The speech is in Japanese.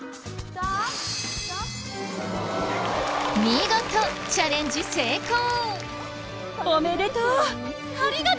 見事チャレンジ成功！